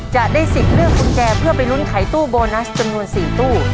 จะได้สิทธิ์เลือกกุญแจเพื่อไปลุ้นไขตู้โบนัสจำนวน๔ตู้